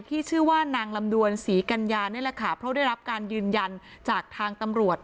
ที่ชื่อว่านางลำดวนศรีกัญญานี่แหละค่ะเพราะได้รับการยืนยันจากทางตำรวจ